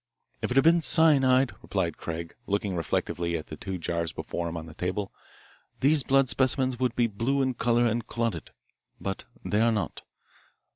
"If it had been cyanide," replied Craig, looking reflectively at the two jars before him on the table, "these blood specimens would be blue in colour and clotted. But they are not.